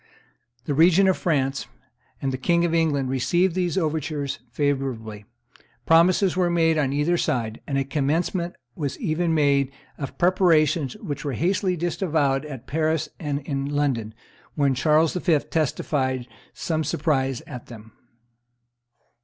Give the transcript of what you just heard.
The regent of France and the King of England received these overtures favorably; promises were made on either side and a commencement was even made of preparations, which were hastily disavowed both at Paris and in London, when Charles V. testified some surprise at them.